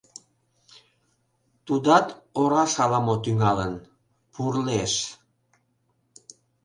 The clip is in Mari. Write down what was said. Тудат ораш ала-мо тӱҥалын... пурлеш...